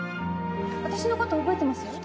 私のこと覚えてます？